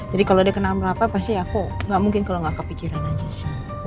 jadi kalau dia kena apa apa pasti aku gak mungkin kalau gak kepikiran aja sal